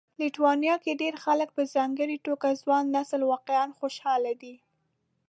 لیتوانیا کې ډېر خلک په ځانګړي توګه ځوان نسل واقعا خوشاله دي